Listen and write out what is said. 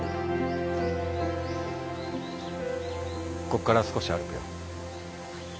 ここから少し歩くよ。